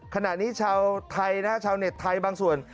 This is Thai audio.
ขณะนี้ชาวไทยนะฮะชาวเน็ตไทยบางส่วน